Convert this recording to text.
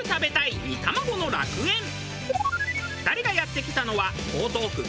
２人がやって来たのは。